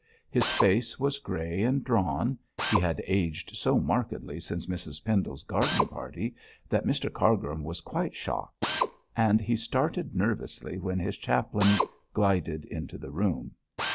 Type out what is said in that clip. His face was grey and drawn he had aged so markedly since Mrs Pendle's garden party that Mr Cargrim was quite shocked and he started nervously when his chaplain glided into the room.